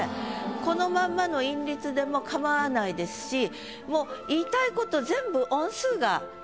このまんまの韻律でも構わないですしもう言いたいこと全部。